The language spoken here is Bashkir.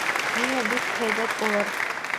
— Ниңә, бик һәйбәт булыр.